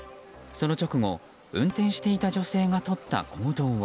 その直後、運転していた女性がとった行動は。